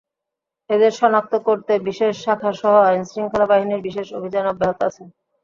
এঁদের শনাক্ত করতে বিশেষ শাখাসহ আইনশৃঙ্খলা বাহিনীর বিশেষ অভিযান অব্যাহত আছে।